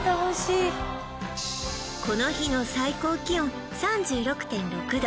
この日の最高気温３６．６度